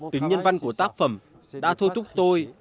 tính nhân văn của tác phẩm đã thôi thúc tôi